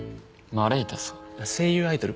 声優アイドル。